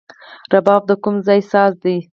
رباب د کوم ځای ساز دی؟